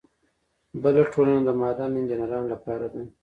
بله ټولنه د معدن انجینرانو لپاره ده.